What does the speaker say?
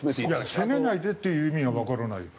いや「責めないで」って言う意味がわからないよ。